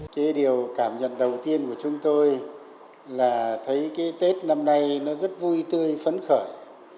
cái điều cảm nhận đầu tiên của chúng tôi là thấy cái tết năm nay nó rất vui tươi phấn khởi